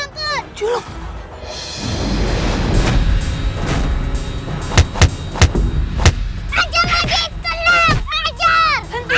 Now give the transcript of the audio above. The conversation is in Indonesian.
tung jangan galak galak